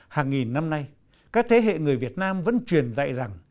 hàng nghìn năm nay các thế hệ người việt nam vẫn truyền dạy rằng